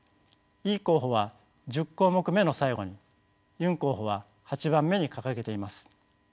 イ候補は１０項目の最後にユン候補は８番目に掲げています。